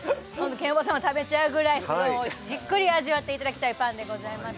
ケンコバさんも食べちゃうぐらいすごいおいしいじっくり味わっていただきたいパンでございます・